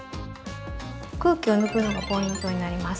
空気を抜くのがポイントになります。